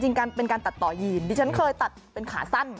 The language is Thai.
การเป็นการตัดต่อยีนดิฉันเคยตัดเป็นขาสั้น